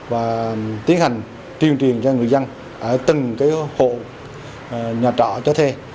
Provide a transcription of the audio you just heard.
và tiến hành tuyên truyền cho người dân ở từng hộ nhà trọ cho thuê